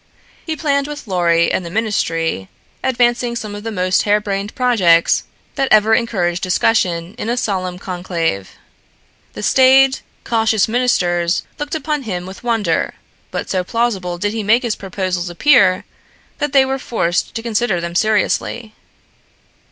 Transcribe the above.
He planned with Lorry and the ministry, advancing some of the most hair brained projects that ever encouraged discussion in a solemn conclave. The staid, cautious ministers looked upon him with wonder, but so plausible did he made his proposals appear that they were forced to consider them seriously.